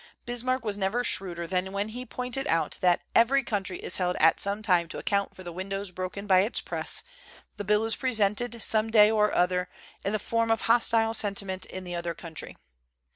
Bismarck was never shrewder than when he pointed out that "every country is held at some time to account for the windows broken by its press; the bill is presented, some day or other, in the form of hostile sentiment in the other country."